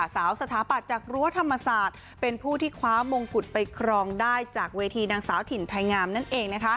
สถาปัตย์จากรั้วธรรมศาสตร์เป็นผู้ที่คว้ามงกุฎไปครองได้จากเวทีนางสาวถิ่นไทยงามนั่นเอง